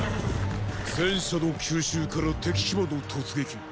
戦車の急襲から敵騎馬の突撃。